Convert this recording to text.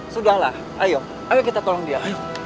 sudahlah ayo ayo kita tolong dia